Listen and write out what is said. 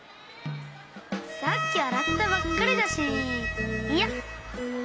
さっきあらったばっかりだしいいや！